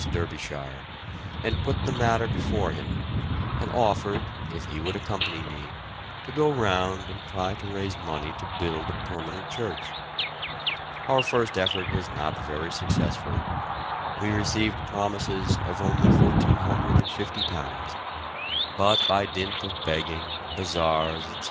Derbyshire, and put the matter before him, and offered, if he would accompany me, to go round and try to raise money to build a permanent church. Our first effort was not very successful, we received promises of only £1,450; but by dint of begging, bazaars, etc.